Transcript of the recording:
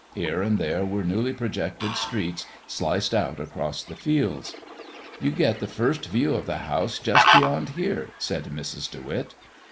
Here and there were newly projected streets sliced out across the fields. "You get the first view of the house just beyond here," said Mrs. De Witt.